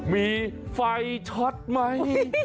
มีไฟช็อตไหม